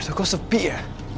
aduh kok sepi ya